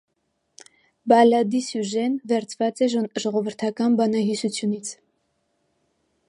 Բալլադի սյուժեն վերցված է ժողովրդական բանահյուսությունից։